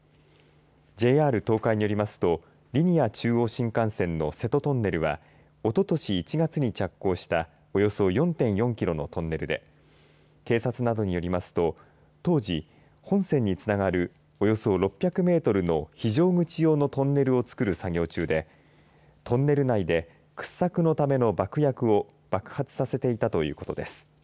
ＪＲ東海によりますとリニア中央新幹線の瀬戸トンネルはおととし１月に着工したおよそ４．４キロのトンネルで警察などによりますと当時、本線につながるおよそ６００メートルの非常口用のトンネルを作る作業中でトンネル内で掘削のための爆薬を爆発させていたということです。